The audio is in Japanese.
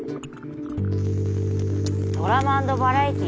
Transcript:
ドラマ＆バラエティ？